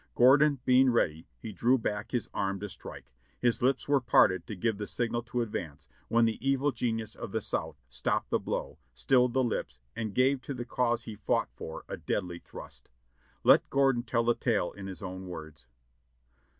Gordon being ready, he drew back his arm to strike : his lips were parted to give the signal to advance, when that evil genius of the South stopped the blow, stilled the lips, and gave to the cause he fought for a deadly thrust. Let Gordon tell the tale in his own words.